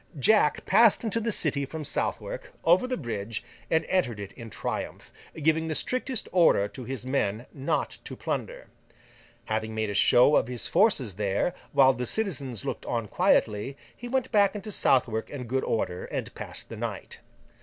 Jack passed into the City from Southwark, over the bridge, and entered it in triumph, giving the strictest orders to his men not to plunder. Having made a show of his forces there, while the citizens looked on quietly, he went back into Southwark in good order, and passed the night.